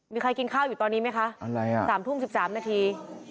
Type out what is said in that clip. มีใครกินข้าวอยู่ตอนนี้ไหมคะอะไรอ่ะสามทุ่มสิบสามนาที